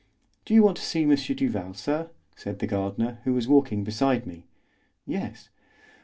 "Do you want to see M. Duval, sir?" said the gardener, who was walking beside me. "Yes."